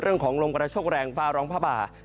เรื่องของลมกระโชคแรงฟ้าร้องผ้าป่า